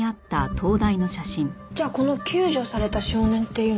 じゃあこの救助された少年っていうのは。